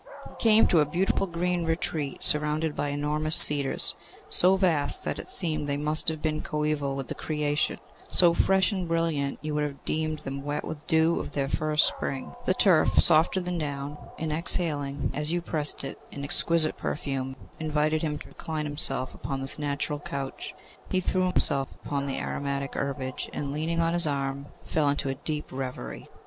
He came to a beautiful green retreat surrounded by enormous cedars, so vast that it seemed they must have been coeval with the creation; so fresh and brilliant, you would have deemed them wet with the dew of their first spring. The turf, softer than down, and exhaling, as you pressed it, an exquisite perfume, invited him to recline himself upon this natural couch. He threw himself upon the aromatic herbage, and leaning on his arm, fell into a deep reverie.